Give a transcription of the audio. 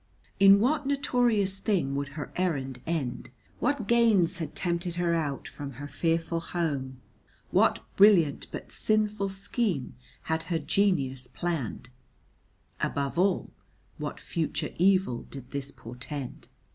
In what notorious thing would her errand end? What gains had tempted her out from her fearful home? What brilliant but sinful scheme had her genius planned? Above all, what future evil did this portend?